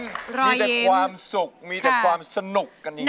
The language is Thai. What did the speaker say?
มีแต่ความสุขมีแต่ความสนุกกันจริง